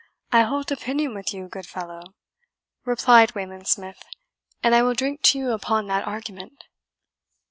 "I hold opinion with you, good fellow," replied Wayland Smith; "and I will drink to you upon that argument."